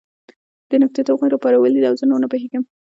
دې نکتې هغوی راپارولي دي او زه نور نه پوهېږم